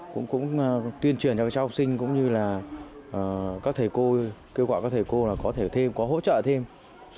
và để tuyên truyền cho các em về phòng chống